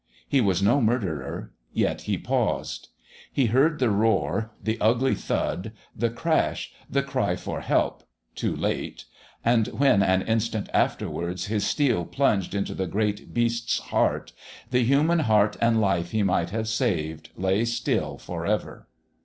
He was no murderer, yet he paused. He heard the roar, the ugly thud, the crash, the cry for help too late ... and when, an instant afterwards, his steel plunged into the great beast's heart, the human heart and life he might have saved lay still for ever....